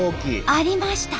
ありました！